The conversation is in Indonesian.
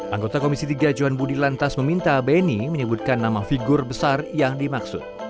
anggota komisi tiga johan budi lantas meminta bni menyebutkan nama figur besar yang dimaksud